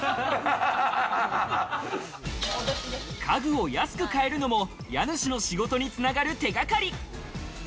家具を安く買えるのも家主の仕事に繋がる手がかり。